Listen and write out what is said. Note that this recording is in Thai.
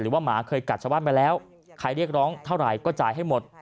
หมาเคยกัดชาวบ้านมาแล้วใครเรียกร้องเท่าไหร่ก็จ่ายให้หมด